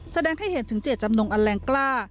แสดงให้เห็นถึงเจตจำนงอันแรงกล้า